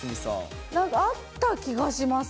なんかあった気がします。